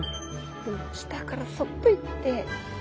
でも下からそっと行って。